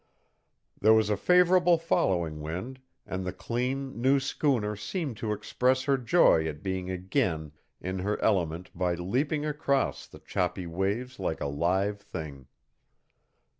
There was a favorable following wind, and the clean, new schooner seemed to express her joy at being again in her element by leaping across the choppy waves like a live thing.